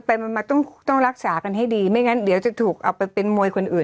ไปมันมาต้องต้องรักษากันให้ดีไม่งั้นเดี๋ยวจะถูกเอาไปเป็นมวยคนอื่น